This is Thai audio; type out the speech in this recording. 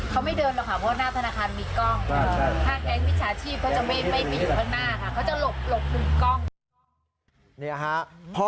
เขาจะหลบลูบกล้อง